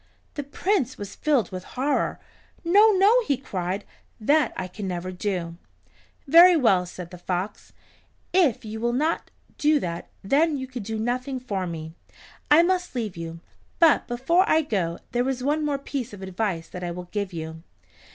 The Prince was filled with horror. "No, no," he cried, "that I can never do." "Very well," said the fox. "If you will not do that, then you can do nothing for me. I must leave you, but before I go there is one more piece of advice that I will give you.